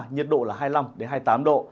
nhiệt độ là hai mươi năm hai mươi tám độ